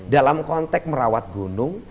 dalam konteks merawat gunung